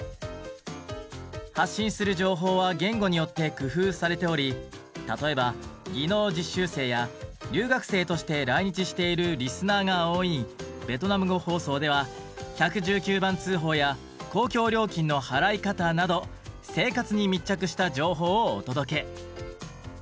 発信する情報は言語によって工夫されており例えば技能実習生や留学生として来日しているリスナーが多いベトナム語放送ではなど生活に密着した情報をお届け。